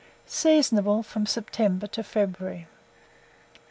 Seasonable from September to February.